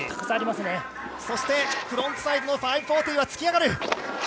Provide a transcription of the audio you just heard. そして、フロントサイドの５４０は突き上がる。